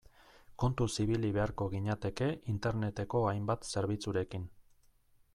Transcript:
Kontuz ibili beharko ginateke Interneteko hainbat zerbitzurekin.